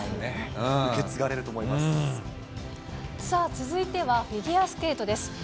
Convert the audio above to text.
さあ続いては、フィギュアスケートです。